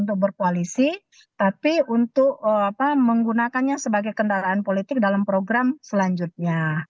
untuk berkoalisi tapi untuk menggunakannya sebagai kendaraan politik dalam program selanjutnya